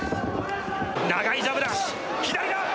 長いジャブだ。